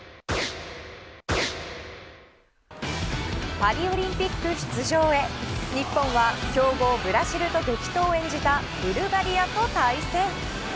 パリオリンピック出場へ日本は強豪ブラジルと激闘を演じたブルガリアと対戦。